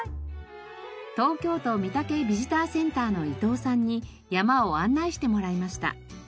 東京都御岳ビジターセンターの伊藤さんに山を案内してもらいました。